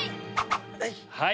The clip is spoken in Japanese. はい！